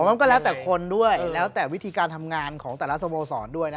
มันก็แล้วแต่คนด้วยแล้วแต่วิธีการทำงานของแต่ละสโมสรด้วยนะ